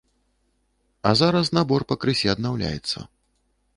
А зараз набор пакрысе аднаўляецца.